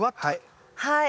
はい。